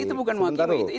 itu bukan menghakimi